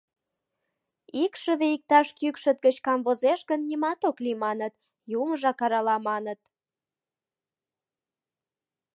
Икшыве иктаж кӱкшыт гыч камвозеш гын, нимат ок лий, маныт, юмыжак арала, маныт.